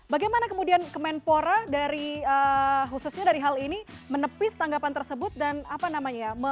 bagaimana kemudian kemenpora dari khususnya dari hal ini menepis tanggapan tersebut dan apa namanya ya